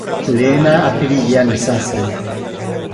Lehena apirilean izan zen.